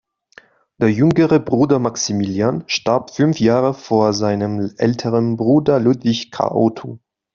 Der jüngere Bruder Maximilian starb fünf Jahre vor seinem älteren Bruder Ludwig Karl Otto.